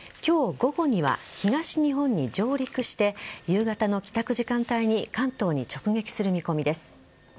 午後には東日本に上陸して夕方の帰宅時間帯に関東に直撃する見込みです。